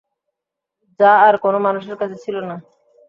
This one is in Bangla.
যা আর কোনো মানুষের কাছে ছিল না।